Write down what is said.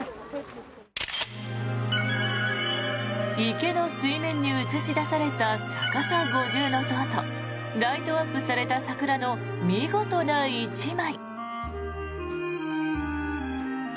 池の水面に映し出された逆さ五重塔とライトアップされた桜の見事な１枚。